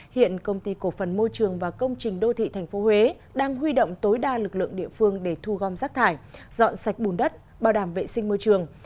hiện công ty cổ phần môi trường và công trình đô thị tp huế đang huy động tối đa lực lượng địa phương để thu gom rác thải dọn sạch bùn đất bảo đảm vệ sinh môi trường